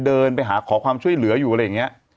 เดินไปหาขอความช่วยเหลืออยู่อะไรอย่างนี้